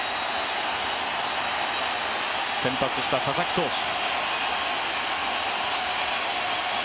先発した佐々木投手。